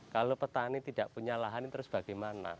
kalau petani tidak punya lahan ini terus bagaimana